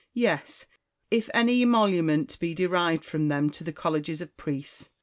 Marcus. Yes, if any emolument be derived from them to the colleges of priests.